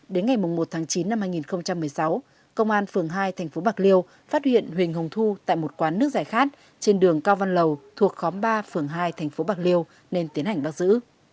đến ngày một tháng chín năm hai nghìn một mươi sáu công an phường hai tp bạc liêu phát hiện huỳnh hồng thu tại một quán nước giải khát trên đường cao văn lầu thuộc khóm ba phường hai tp bạc liêu nên tiến hành bắt giữ